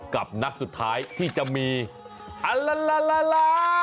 กับนักสุดท้ายที่จะมีอัลล่าล้า